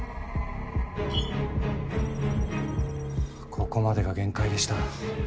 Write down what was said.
ここまでが限界でした。